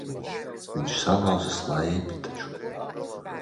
Viņš salauza slēpi taču.